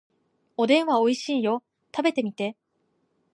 おでんはおいしいよ。食べてみて。